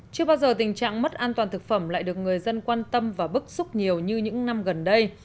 chưa bao giờ tình trạng mất an toàn thực phẩm lại được người dân quan tâm và bức xúc nhiều như những năm gần đây